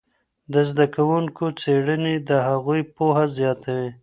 د زده کوونکو څېړني د هغوی پوهه زیاتوي.